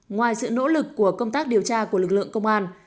ngoài sự nỗ lực của công tác điều tra của lực lượng công an